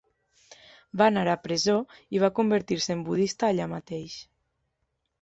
Va anar a la presó i va convertir-se en budista allà mateix.